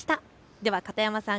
では片山さん